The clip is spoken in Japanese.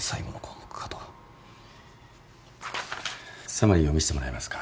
サマリーを見せてもらえますか？